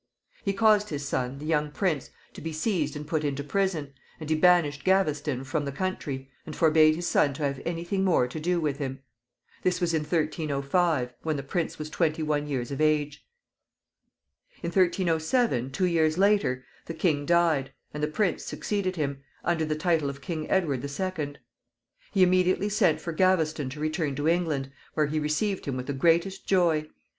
He caused his son, the young prince, to be seized and put into prison, and he banished Gaveston from the country, and forbade his son to have any thing more to do with him. This was in 1305, when the prince was twenty one years of age. In 1307, two years later, the king died, and the prince succeeded him, under the title of King Edward the Second. He immediately sent for Gaveston to return to England, where he received him with the greatest joy.